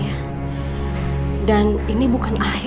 gak mungkin dok